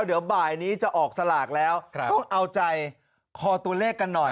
เดี๋ยวบ่ายนี้จะออกสลากแล้วต้องเอาใจคอตัวเลขกันหน่อย